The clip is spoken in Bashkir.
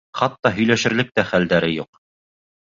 Хатта һөйләшерлек тә хәлдәре юҡ.